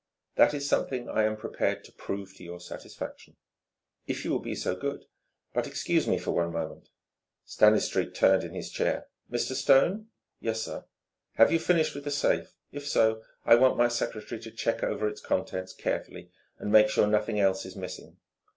"That is something I am prepared to prove to your satisfaction." "If you will be so good.... But excuse me for one moment." Stanistreet turned in his chair. "Mr. Stone?" "Yes, sir." "Have you finished with the safe? If so, I want my secretary to check over its contents carefully and make sure nothing else is missing."